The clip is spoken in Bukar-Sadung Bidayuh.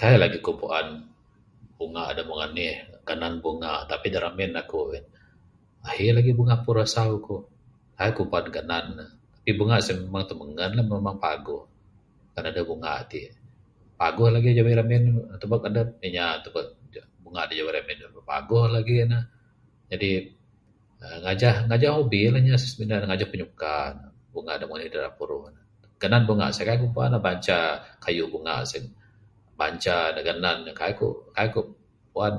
Kaii lagih ku puan bunga da mung anih ganan bunga tapi dak remin aku in ahi lagih bunga puruh asau ku. Kaii ku puan ganan nuh. Tapi bunga sien memang timengun lah memang paguh. Kan adeh bunga ti paguh lagih jawi ramin tebek dep. Inya tubek bunga da jawi ramin dep paguh lagih nuh. Jadi ngajah ngajah hobi inyap lagih ngajah pinyuka bunga da mung anih da ira puruh. Ganan bunga sien kaii ku puan lah ngaja kayuh bunga sien banca nuh ganan nuh kaii ku puan.